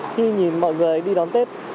khi nhìn mọi người đi đón tết